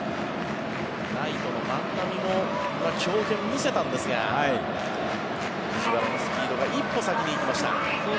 ライトの万波も強肩を見せたんですが藤原のスピードが一歩先に行きました。